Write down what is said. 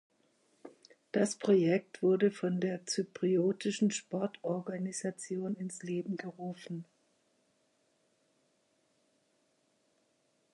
Das Projekt wurde von der Zypriotischen Sportorganisation ins Leben gerufen.